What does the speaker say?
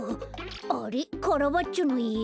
あれっカラバッチョのいえ？